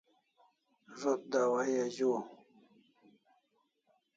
Zo't dawai azuaw